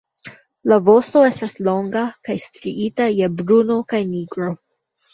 La vosto estas longa kaj striita je bruno kaj nigro.